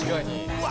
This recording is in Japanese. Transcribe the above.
うわ！